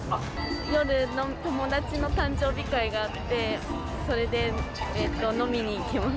夜、友達の誕生日会があって、それで飲みに行きます。